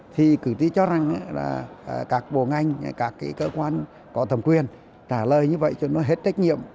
thì cử tri cho rằng là các bộ ngành các cơ quan có thẩm quyền trả lời như vậy cho nó hết trách nhiệm